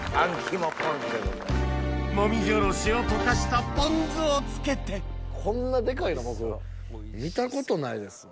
もみじおろしを溶かしたポン酢を付けてこんなでかいの僕見たことないですわ。